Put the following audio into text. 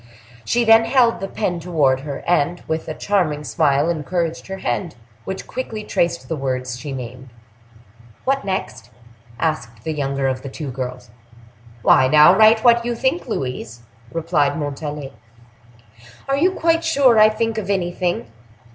She then held the pen toward her, and with a charming smile encouraged her hand, which quickly traced the words she named. "What next?" asked the younger of the two girls. "Why, now write what you think, Louise," replied Montalais. "Are you quite sure I think of anything?"